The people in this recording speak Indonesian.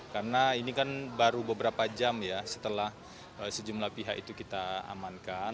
karena ini kan baru beberapa jam ya setelah sejumlah pihak itu kita amankan